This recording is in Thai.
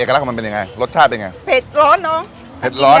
เอกลักษณ์ของมันเป็นยังไงรสชาติเป็นยังไงเผ็ดร้อนเนอะเผ็ดร้อน